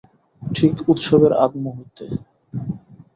ঠিক উৎসবের আগমুহূর্তে।